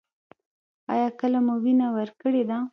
ایا کله مو وینه ورکړې ده؟